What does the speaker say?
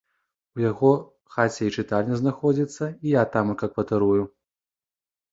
У яго хаце й чытальня знаходзіцца, і я тамака кватарую.